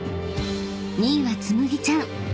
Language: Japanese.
［２位はつむぎちゃん。